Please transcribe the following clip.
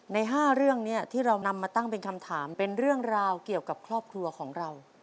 ใน๕เรื่องนี้ที่เรานำมาตั้งเป็นคำถามเป็นเรื่องราวเกี่ยวกับครอบครัวของเรา